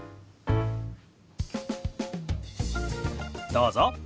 どうぞ。